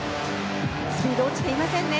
スピード落ちていませんね。